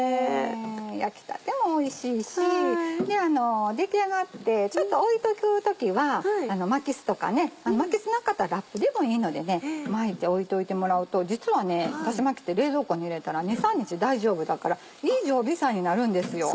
焼きたてもおいしいし出来上がってちょっと置いとく時はまきすとかまきすなかったらラップでもいいので巻いて置いといてもらうと実はだし巻きって冷蔵庫に入れたら２３日大丈夫だからいい常備菜になるんですよ。